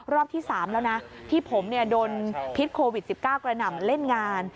รอบที่๓แล้วนะที่ผมโดนพิษโควิด๑๙กระหน่ำเล่นงาน